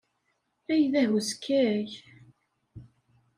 Ay d ahuskay!